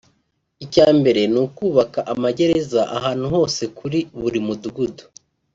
icyambere ni ukubaka amagereza ahantu hose kuri buri mu dugudu